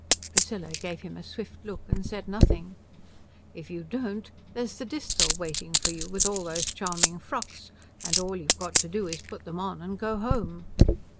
Priscilla gave him a swift look, and said nothing. "If you don't, there's the Disthal waiting for you with all those charming frocks, and all you've got to do is to put them on and go home."